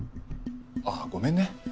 ああごめんね。